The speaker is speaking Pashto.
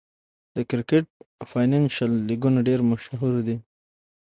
د کرکټ فینانشل لیګونه ډېر مشهور دي.